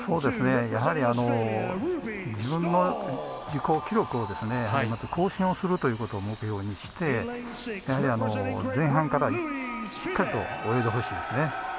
やはり、自分の自己記録を更新をするということを目標にしてやはり前半からしっかりと泳いでほしいですね。